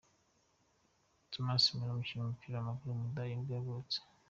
Thomas Müller, umukinnyi w’umupira w’amaguru w’umudage nibwo yavutse.